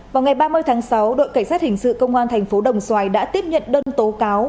vào ngày ba mươi tháng sáu đội cảnh sát hình sự công an thành phố đồng xoài đã tiếp nhận đơn tố cáo